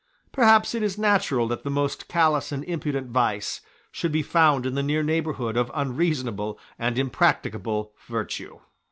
Perhaps it is natural that the most callous and impudent vice should be found in the near neighbourhood of unreasonable and impracticable virtue.